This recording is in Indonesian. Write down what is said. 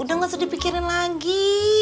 udah gak usah dipikirin lagi